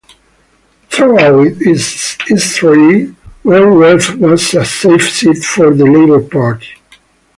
Throughout its history, Wentworth was a safe seat for the Labour Party.